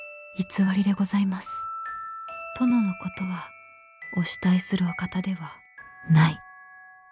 「殿のことはお慕いするお方ではない」。